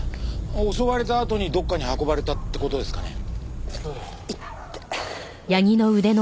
襲われたあとにどこかに運ばれたって事ですかね？